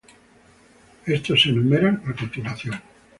Estos se enumeran a continuación.